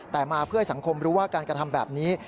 แต่มาเพื่อให้สังคมรู้ว่าการกระทำแบบนี้